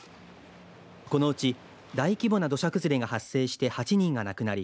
このうち大規模な土砂崩れが発生して８人が亡くなり